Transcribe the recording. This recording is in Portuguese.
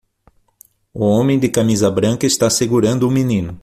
O homem de camisa branca está segurando um menino